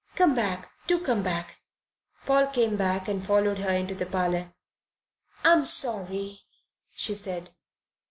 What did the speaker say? "Come back! Do come back!" Paul came back and followed her into the parlour. "I'm sorry," she said.